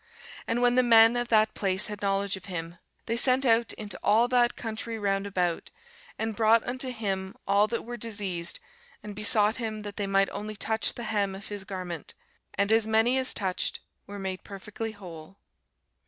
And when the men of that place had knowledge of him, they sent out into all that country round about, and brought unto him all that were diseased; and besought him that they might only touch the hem of his garment: and as many as touched were made perfectly whole.